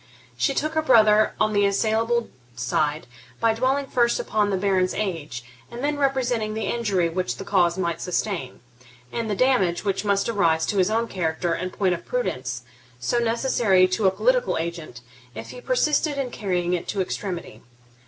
She took her brother on the assailable side, by dwelling first upon the Baron's age, and then representing the injury which the cause might sustain, and the damage which must arise to his own character in point of prudence so necessary to a political agent, if he persisted in carrying it to extremity.